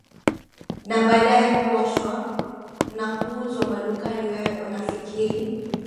na baadaye kuoshwa na kuuzwa madukani wewe unafikiri